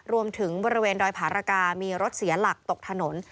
รวมถึงบริเวณดอยผารกามีรถเสียหลักตกถนน